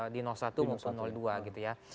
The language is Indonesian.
di satu dan dua